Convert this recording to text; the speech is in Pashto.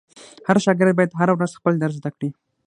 هر شاګرد باید هره ورځ خپل درس زده کړي.